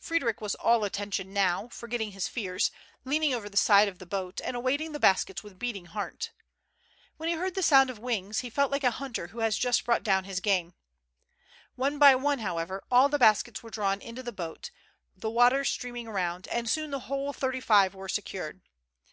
Frederic was all attention now, forgetting his fears, leaning over the side of the boat, and awaiting the baskets with beating heart. When he heard the sound of wings, he felt like a hunter who has just brought down his game. One by one, however, all the baskets were drawn into the boat, the water streaming around ; and soon the whole thirty five were secured.